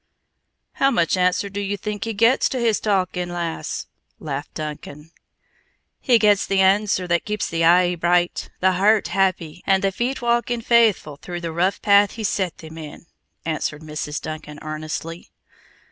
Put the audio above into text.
"How much answer do ye think he gets to his talkin', lass?" laughed Duncan. "He gets the answer that keeps the eye bright, the heart happy, and the feet walking faithful the rough path he's set them in," answered Mrs. Duncan earnestly.